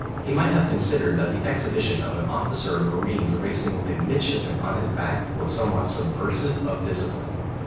He might have considered that the exhibition of an officer of marines racing with a midshipman on his back was somewhat subversive of discipline.